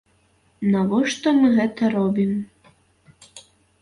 Навошта мы гэта робім?